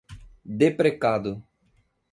deprecado